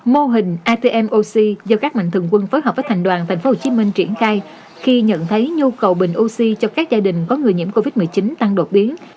mô hình atm oxy do các mạnh thường quân phối hợp với thành đoàn thành phố hồ chí minh triển khai khi nhận thấy nhu cầu bình oxy cho các gia đình có người nhiễm covid một mươi chín tăng đột biến